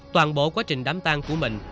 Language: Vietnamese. toàn bộ quá trình đám tan của mình